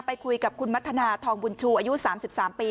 ไปคุยกับคุณมัธนาทองบุญชูอายุ๓๓ปี